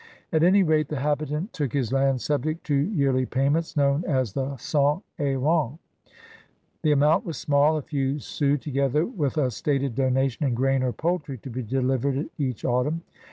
At any rate, the habitant took his land subject to yearly payments known as the cens el rentes. The amount was small, a few sous together with a stated donation in grain or poultry to be delivered each autumn.